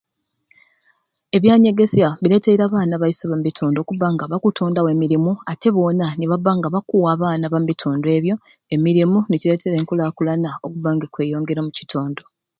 Ebyanyegesya bireteire abaana baiswe omu bitundu okubanga bakutondawo emirumu ate nona nebaba nga bakuwa abaana ba bitndu ebyo emirumu enkulakulana neba nga ekweyongera omu kitundu